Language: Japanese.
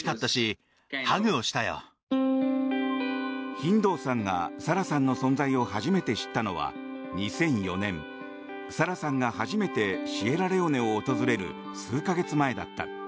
ヒンドーさんが、サラさんの存在を初めて知ったのは２００４年、サラさんが初めてシエラレオネを訪ねる数か月前だった。